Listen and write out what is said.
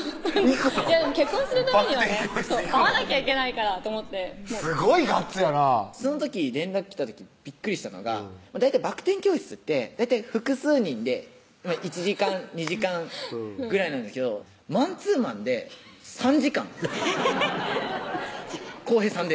結婚するためにはね会わなきゃいけないからと思ってすごいガッツやなぁ連絡来た時びっくりしたのが大体バク転教室って複数人で１時間・２時間ぐらいなんですけどマンツーマンで３時間「晃平さんで」